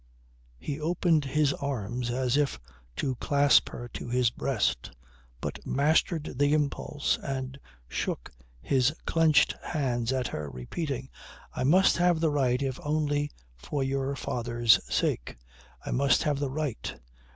He opened his arms as if to clasp her to his breast but mastered the impulse and shook his clenched hands at her, repeating: "I must have the right if only for your father's sake. I must have the right.